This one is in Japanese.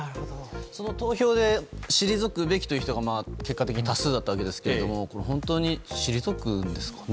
その投票で退くべきという人が結果的に多数だったわけですが本当に退くんですかね？